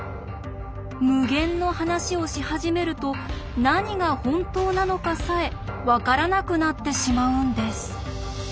無限の話をし始めると何が本当なのかさえ分からなくなってしまうんです。